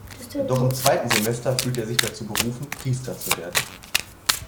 Doch im zweiten Semester fühlte er sich dazu berufen, Priester zu werden.